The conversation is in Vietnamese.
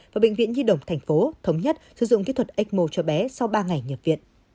và bệnh viện nhi đồng tp thống nhất sử dụng kỹ thuật ecmo cho bé sau ba ngày nhập viện